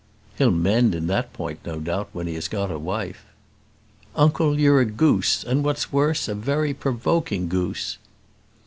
"He'll mend in that point, no doubt, when he has got a wife." "Uncle, you're a goose; and what is worse, a very provoking goose."